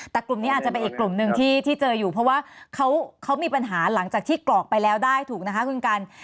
แต่กลุ่มนี้อาจจะเป็นอีกกลุ่มหนึ่งที่เจออยู่เพราะว่าเขามีปัญหาหลังจากที่กรอกไปแล้วได้ถูกนะคะคุณกัน